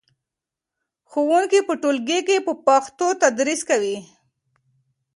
ښوونکي په ټولګي کې په پښتو تدریس کوي.